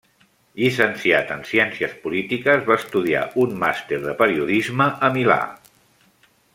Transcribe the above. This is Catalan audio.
Llicenciat en ciències polítiques, va estudiar un màster de periodisme a Milà.